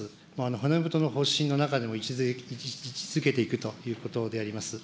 骨太の方針の中でも位置づけていくということであります。